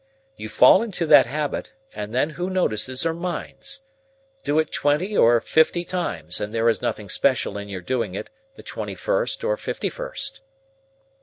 You fall into that habit, and then who notices or minds? Do it twenty or fifty times, and there is nothing special in your doing it the twenty first or fifty first."